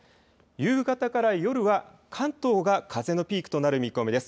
夕方から夜は関東が風のピークとなる見込みです。